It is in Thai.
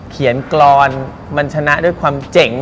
เขียนกรรมันชนะด้วยความเจ๋ง